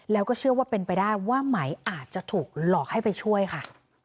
แล้วก็เชื่อว่าเป็นไปได้ว่าไหมอาจจะถูกหลอกให้ไปช่วยค่ะ